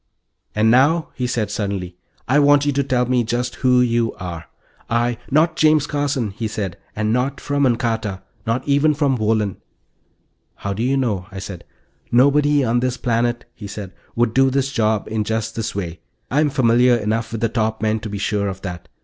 "And now," he said suddenly, "I want you to tell me just who you are." "I " "Not James Carson," he said. "And not from Ancarta. Not even from Wohlen." "How do you know?" I said. "Nobody on this planet," he said, "would do this job in just this way. I'm familiar enough with the top men to be sure of that.